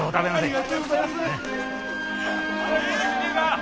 ありがとうございます！